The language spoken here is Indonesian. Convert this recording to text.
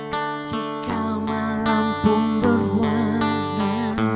ketika malam pun berwarna